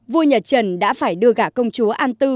vua nhà trần đã phải đưa cả công chúa an tư